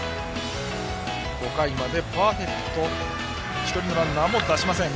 ５回までパーフェクトで１人のランナーも出しません。